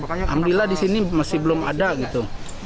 alhamdulillah di sini masih belum ada gitu